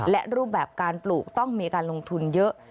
และรูปแบบการปลูกต้องมีการลงทุนเยอะ